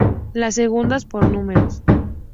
Las segundas por números.